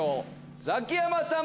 ザキヤマさん